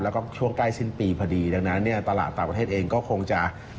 แล้วก็ช่วงใกล้สิ้นปีพอดีดังนั้นเนี่ยตลาดต่างประเทศเองก็คงจะ